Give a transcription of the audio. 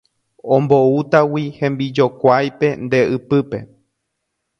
Omboútagui hembijokuáipe nde ypýpe